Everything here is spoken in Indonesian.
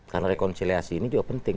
karena rekonsiliasi ini juga penting